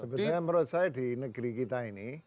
sebetulnya menurut saya di negeri kita ini